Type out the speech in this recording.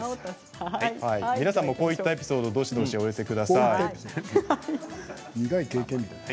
皆さんも、こういうエピソードをお寄せください。